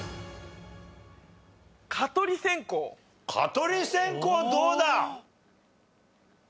蚊取り線香どうだ？